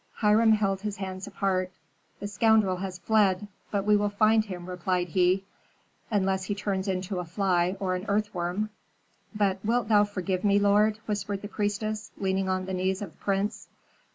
Hiram held his hands apart. "The scoundrel has fled, but we will find him," replied he, "unless he turns into a fly or an earthworm." "But thou wilt forgive me, lord?" whispered the priestess, leaning on the knees of the prince.